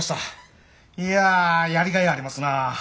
いややりがいありますなあ。